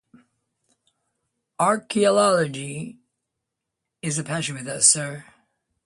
Archaeology is a passion with us, sir.